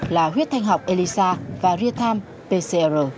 là huyết thanh học elisa và rear time pcr